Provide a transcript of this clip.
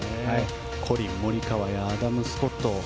コリン・モリカワやアダム・スコット